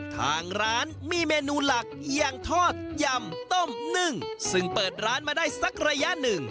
ทางร้านมีเมนูหลักอย่างทอดยำต้มนึ่งซึ่งเปิดร้านมาได้สักระยะหนึ่ง